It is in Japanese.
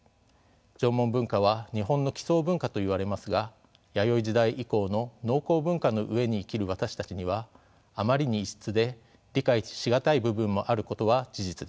縄文文化は日本の基層文化といわれますが弥生時代以降の農耕文化の上に生きる私たちにはあまりに異質で理解し難い部分もあることは事実です。